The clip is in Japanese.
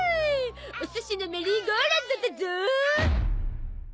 お寿司のメリーゴーラウンドだゾ。